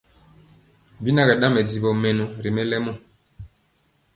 Bi na kɛ ɗaŋ mɛdivɔ mɛnɔ ri mɛlɛmɔ.